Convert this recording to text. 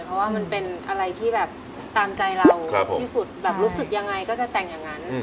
เพราะว่ามันเป็นอะไรที่แบบตามใจเราที่สุดแบบรู้สึกยังไงก็จะแต่งอย่างนั้น